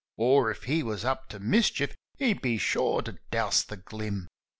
' Or, if he was up to mischief, he'd be sure to douse the glim.'